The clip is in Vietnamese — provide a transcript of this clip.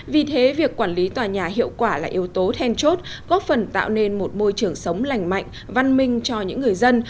vì thế việc quản lý tòa nhà hiệu quả là yếu tố then chốt góp phần tạo nên một môi trường sống lành mạnh văn minh cho những người dân